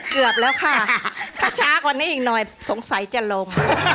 เกือบแล้วค่ะถ้าช้ากว่านี้อีกหน่อยสงสัยจะลง